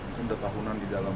itu udah tahunan di dalam